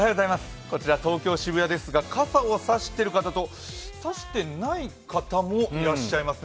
こちら、東京・渋谷ですが傘を差している方と差してない方もいらっしゃいますね。